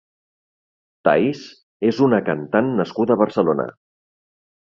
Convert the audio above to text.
Tahis és una cantant nascuda a Barcelona.